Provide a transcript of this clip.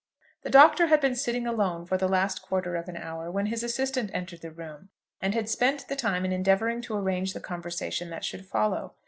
The Doctor had been sitting alone for the last quarter of an hour when his assistant entered the room, and had spent the time in endeavouring to arrange the conversation that should follow.